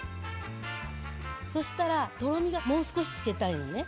そしたらとろみがもう少しつけたいのね。